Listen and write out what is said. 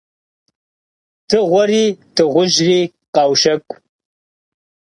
Дыгъуэри дыгъужьри къаущэкӀу.